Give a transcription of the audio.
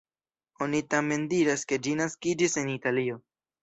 Oni tamen diras ke ĝi naskiĝis en Italio.